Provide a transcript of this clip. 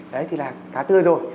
đấy thì là cá tươi rồi